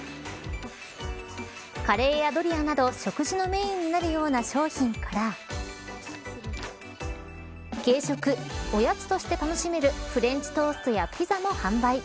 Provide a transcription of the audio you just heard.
カレーやドリアなど食事のメニューになるような商品から軽食、おやつとして楽しめるフレンチトーストやピザも販売。